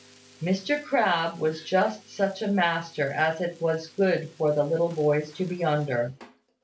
Mr Crabbe was just such a master as it was good for the little boys to be under.